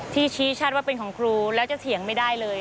ชี้ชัดว่าเป็นของครูแล้วจะเถียงไม่ได้เลย